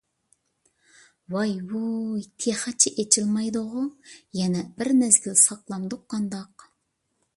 ۋاي-ۋۇي تېخىچە ئېچىلمايدىغۇ؟ يەنە بىر مەزگىل ساقلامدۇق قانداق؟